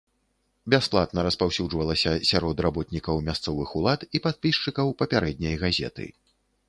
Бясплатна распаўсюджвалася сярод работнікаў мясцовых улад і падпісчыкаў папярэдняй газеты.